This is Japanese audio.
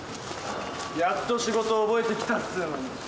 やっと仕事覚えてきたっつのに。